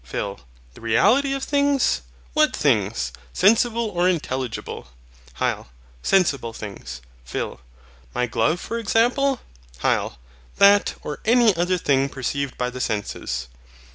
PHIL. The reality of things! What things? sensible or intelligible? HYL. Sensible things. PHIL. My glove for example? HYL. That, or any other thing perceived by the senses.